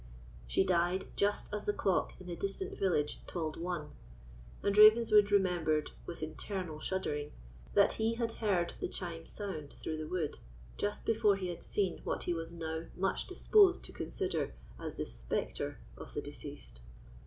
She died just as the clock in the distant village tolled one; and Ravenswood remembered, with internal shuddering, that he had heard the chime sound through the wood just before he had seen what he was now much disposed to consider as the spectre of the deceased.